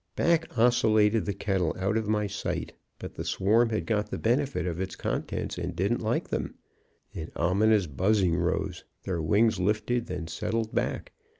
"Back oscillated the kettle out of my sight. But the swarm had got the benefit of its contents and didn't like them. An ominous buzzing rose. Their wings lifted, then settled back.